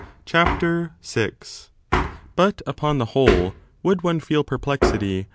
CHAPTER VI.! But, upon the whole, would one feel perplexity